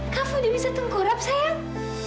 kava udah bisa tengkorap sayang